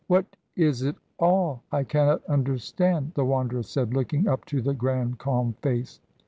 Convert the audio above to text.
"What is it all? I cannot understand," the Wanderer said, looking up to the grand calm face.